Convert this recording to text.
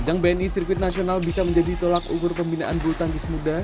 ajang bni sirkuit nasional bisa menjadi tolak ukur pembinaan bulu tangkis muda